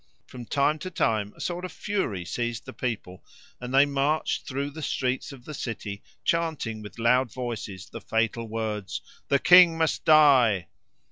From time to time a sort of fury seized the people, and they marched through the streets of the city chanting with loud voices the fatal words, "The king must die!"